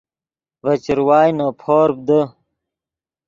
ڤے چروائے نے پورپ دے